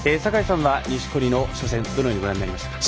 坂井さんは錦織の初戦どのようにご覧になりましたか？